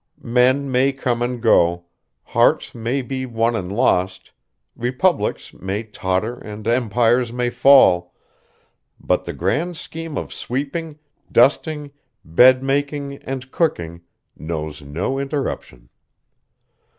Men may come and go, hearts may be won and lost, republics may totter and empires may fall, but the grand scheme of sweeping, dusting, bed making, and cooking knows no interruption.